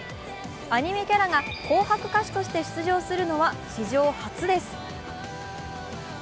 アニメキャラが「紅白」歌手として出場するのは史上初です。